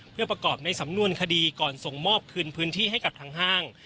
เพื่อประกอบในสำนวนคดีก่อนส่งมอบคืนพื้นที่ให้กับทางห้าง